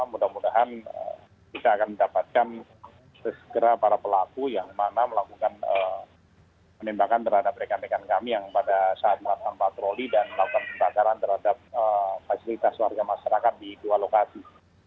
mudah mudahan kita akan mendapatkan segera para pelaku yang mana melakukan penembakan terhadap rekan rekan kami yang pada saat melakukan patroli dan melakukan pembakaran terhadap fasilitas warga masyarakat di dua lokasi